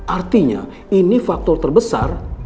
artinya ini faktor terbesar